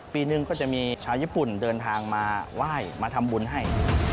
ปีหนึ่งก็จะมีชาวญี่ปุ่นเดินทางมาไหว้มาทำบุญให้